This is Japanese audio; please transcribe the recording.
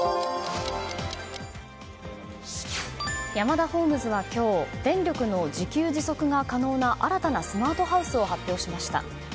ヤマダホームズは今日電力の自給自足が可能な新たなスマートハウスを発表しました。